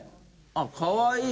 あっかわいい！